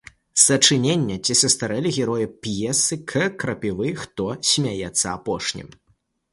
Сачыненне ці састарэлі героі п’есы К.Крапівы “Хто смяецца апошнім”